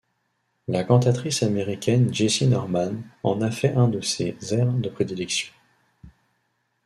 La cantatrice américaine Jessye Norman en a fait un de ses airs de prédilection.